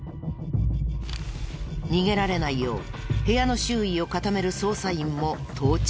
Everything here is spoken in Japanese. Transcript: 逃げられないよう部屋の周囲を固める捜査員も到着。